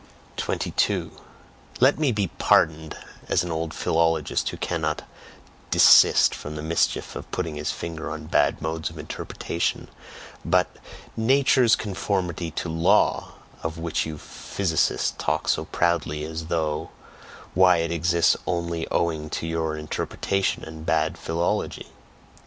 22. Let me be pardoned, as an old philologist who cannot desist from the mischief of putting his finger on bad modes of interpretation, but "Nature's conformity to law," of which you physicists talk so proudly, as though why, it exists only owing to your interpretation and bad "philology."